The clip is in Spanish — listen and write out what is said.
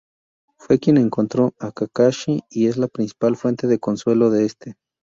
Fue quien encontró a Kakashi y es la principal fuente de consuelo de este.